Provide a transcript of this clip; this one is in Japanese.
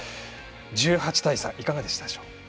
１８対３、いかがでしたでしょう。